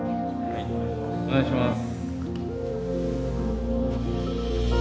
お願いします。